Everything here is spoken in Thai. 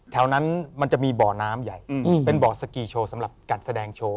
แถวนั้นมันจะมีบ่อน้ำใหญ่เป็นบ่อสกีโชว์สำหรับการแสดงโชว์